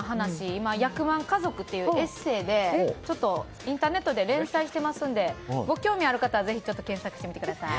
今、「役満家族」というエッセーでちょっとインターネットで連載してますのでご興味ある方ぜひ検索してみてください。